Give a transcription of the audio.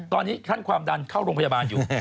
ตอนนี้ขั้นความดันเข้าโรงพยาบาลอยู่